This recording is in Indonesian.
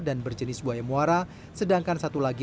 dan berjenis buaya muara sedangkan satu lagi